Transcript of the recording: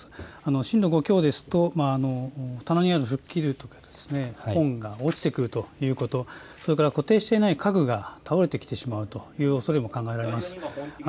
震度５強ですと棚にある食器類ですとか本が落ちてくるということ、固定していない家具が倒れてきてしまうというおそれも考えられます。